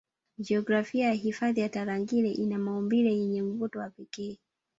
Jiografia ya hifadhi ya Tarangire ina maumbile yenye mvuto wa pekee